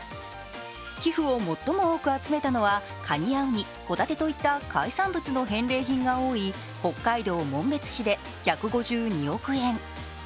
寄付を最も多く集めたのはかにやうに、ほたてといった海産物の返礼品が多い北海道紋別市で１５２億円。